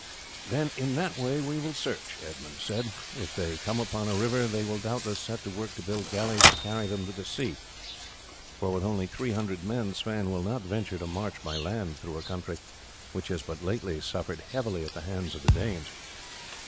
"Then in that way we will search," Edmund said. "If they come upon a river they will doubtless set to work to build galleys to carry them to the sea, for with only three hundred men Sweyn will not venture to march by land through a country which has but lately suffered heavily at the hands of the Danes.